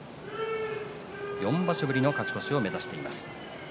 ４場所ぶりの勝ち越しを目指しています。